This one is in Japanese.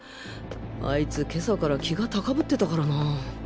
あいつ今朝から気が高ぶってたからな